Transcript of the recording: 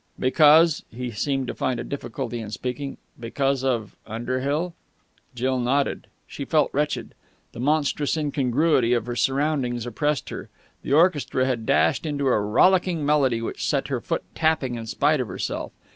"Because...." He seemed to find a difficulty in speaking. "Because of Underhill?" Jill nodded. She felt wretched. The monstrous incongruity of her surroundings oppressed her. The orchestra had dashed into a rollicking melody, which set her foot tapping in spite of herself.